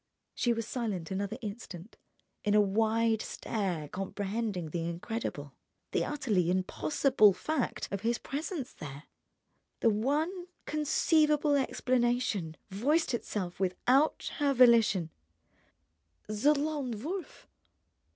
She was silent another instant, in a wide stare comprehending the incredible, the utterly impossible fact of his presence there. The one conceivable explanation voiced itself without her volition: "The Lone Wolf!"